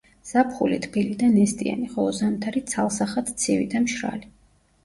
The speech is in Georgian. ზაფხული თბილი და ნესტიანი, ხოლო ზამთარი ცალსახად ცივი და მშრალი.